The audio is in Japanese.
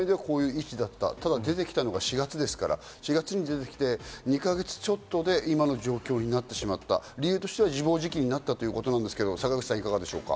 出てきたのが４月ですから、４月に出てきて２か月ちょっとで今の状況になってしまった理由としては自暴自棄になったということですけど、坂口さん。